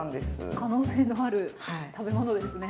可能性のある食べ物ですね。